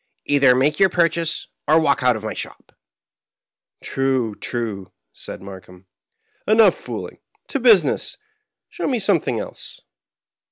"Either make your purchase, or walk out of my shop I "" True, true," said Markheim. " Enough fooling. To business. Show me something else."